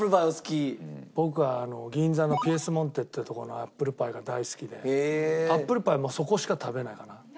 僕は銀座のピエス・モンテっていう所のアップルパイが大好きでアップルパイはそこしか食べないかな。